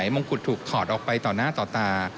มงกุฎถูกถอดออกไปต่อหน้าต่อตา